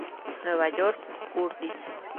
Nueva York: Curtis.